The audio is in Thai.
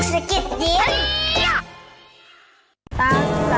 ตั้งใจมากินก๋วยเทียวนึงล่ะ